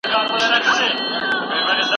په عمل کې يې ثابته کړو.